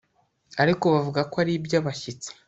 ariko bavuga ko ari iby'abashyitsi